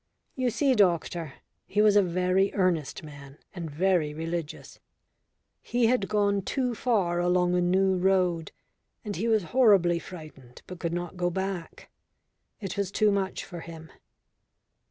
You see, doctor, he was a very earnest man, and very religious. He had gone too far along a new road, and he was horribly frightened but could not go back. It was too much for him.